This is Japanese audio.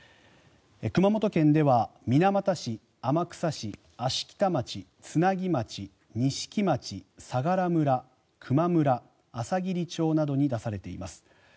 熊本県では水俣市、天草市芦北町、津奈木町、錦町相良村、球磨村あさぎり町などに出されています。